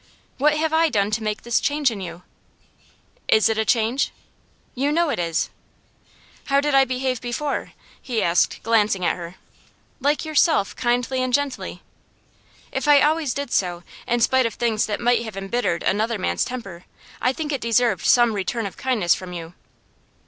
'What have I done to make this change in you?' 'Is it a change?' 'You know it is.' 'How did I behave before?' he asked, glancing at her. 'Like yourself kindly and gently.' 'If I always did so, in spite of things that might have embittered another man's temper, I think it deserved some return of kindness from you.